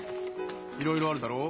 いろいろあるだろう？